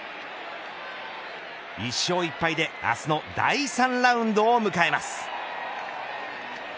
１勝１敗で明日の第３ラウンドを迎えます。